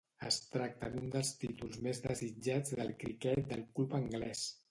Es tracta d'un dels títols més desitjats del criquet del club anglès.